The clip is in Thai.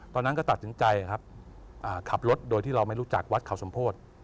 ตอนนั้นก็ตัดสินใจครับขับรถโดยที่เราไม่รู้จักวัดเขาสมโพธิ